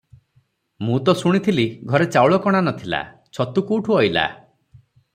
ମୁଁ ତ ଶୁଣିଥିଲି ଘରେ ଚାଉଳ କଣା ନ ଥିଲା- ଛତୁ କୁଠୁ ଅଇଲା?